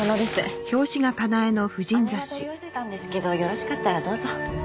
姉が取り寄せたんですけどよろしかったらどうぞ。